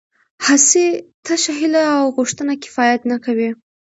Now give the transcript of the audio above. هسې تشه هیله او غوښتنه کفایت نه کوي